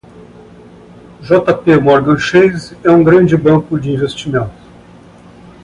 JPMorgan Chase é um grande banco de investimento.